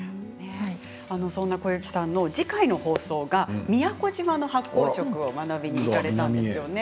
そんな小雪さんの次回の放送が宮古島の発酵食を学びに行かれたんですよね。